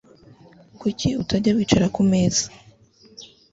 Kuki utajya wicara kumeza